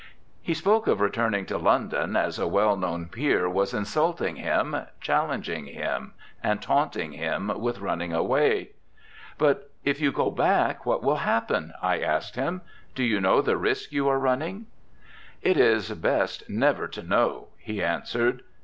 He spoke of returning to London, as a well known peer was insulting him, challenging him, and taunting him with running away. 'But if you go back what will happen? 'I asked him. 'Do you know the risk you are running?' 'It is best never to know,' he answered.